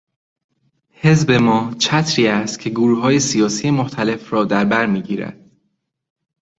حزب ما چتری است که گروههای سیاسی مختلف را در برمیگیرد.